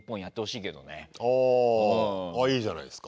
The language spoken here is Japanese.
いいじゃないですか。